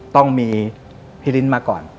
ต้องมีพี่ลิ้นมาก่อน